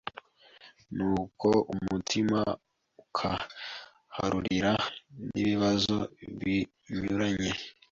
nuko umutima ukahahurira n’ibibazo binyuranye